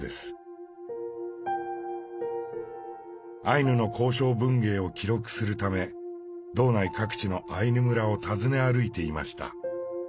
アイヌの口承文芸を記録するため道内各地のアイヌ村を訪ね歩いていました。